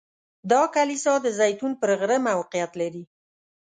دا کلیسا د زیتون پر غره موقعیت لري.